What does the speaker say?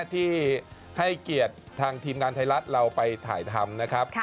ที่ให้เกียรติทางทีมงานไทยรัฐเราไปถ่ายทำนะครับ